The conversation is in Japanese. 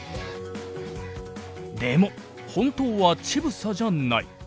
でも本当は乳房じゃない。